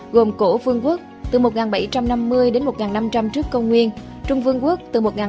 gồm cổ vương quốc trung vương quốc